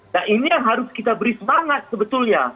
nah ini yang harus kita beri semangat sebetulnya